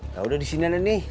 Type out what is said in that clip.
yaudah disini aja nih